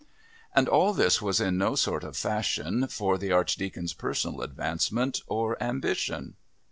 And all this was in no sort of fashion for the Archdeacon's personal advancement or ambition.